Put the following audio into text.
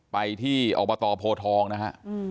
ไปที่อบตโพทองนะฮะ